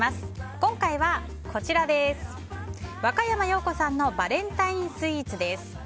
今回は、若山曜子さんのバレンタインスイーツです。